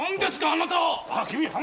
あなたは！？